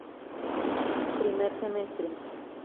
Primer Semestre